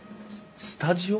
ススタジオ？